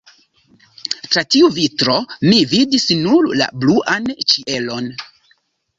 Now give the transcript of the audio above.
Tra tiu vitro mi vidis nur la bluan ĉielon.